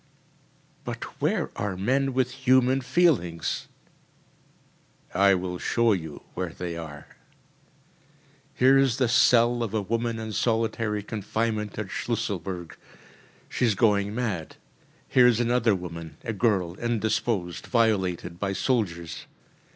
“But where are men with human feelings?‚ÄĚ “I will show you where they are.‚ÄĚ Here is the cell of a woman in solitary confinement at Schlusselburg. She is going mad. Here is another woman a girl indisposed, violated by soldiers.